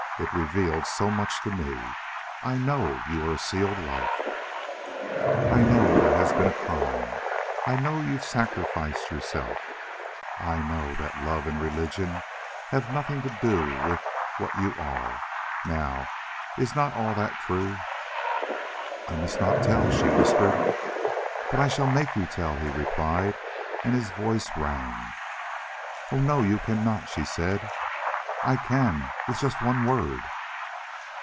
It revealed so much to me.... I know you are a sealed wife. I know there has been a crime. I know you've sacrificed yourself. I know that love and religion have nothing to do with what you are.... Now, is not all that true?" "I must not tell," she whispered. "But I shall MAKE you tell," he replied, and his voice rang. "Oh no, you cannot," she said. "I can with just one word!"